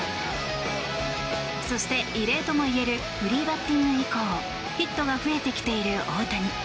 そして、異例ともいえるフリーバッティング以降ヒットが増えてきている大谷。